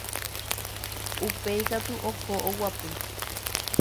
Upéi katu oho oguapy